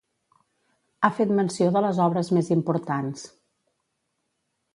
Ha fet menció de les obres més importants.